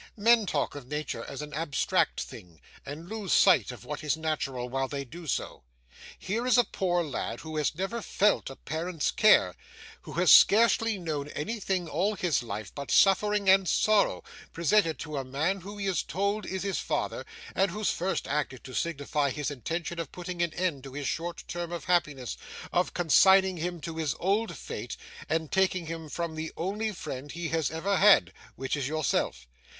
Men talk of Nature as an abstract thing, and lose sight of what is natural while they do so. Here is a poor lad who has never felt a parent's care, who has scarcely known anything all his life but suffering and sorrow, presented to a man who he is told is his father, and whose first act is to signify his intention of putting an end to his short term of happiness, of consigning him to his old fate, and taking him from the only friend he has ever had which is yourself.